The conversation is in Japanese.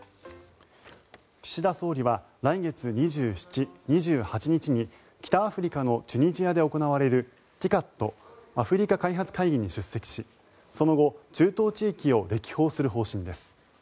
岸田総理は来月２７、２８日に北アフリカのチュニジアで行われるＴＩＣＡＤ・アフリカ開発会議に出席しその後中東地域を歴訪する方針です。